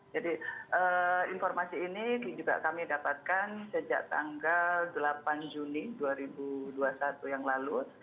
jadi informasi ini juga kami dapatkan sejak tanggal delapan juni dua ribu dua puluh satu yang lalu